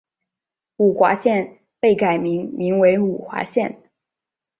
五华县被改名名为五华县。